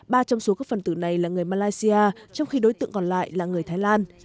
ba trong số các phần tử này là người malaysia trong khi đối tượng còn lại là người thái lan